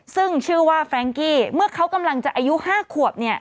ซึ่งชื่อว่าแฟรงกี้เมื่อเขากำลังจะอายุ๕ขวบ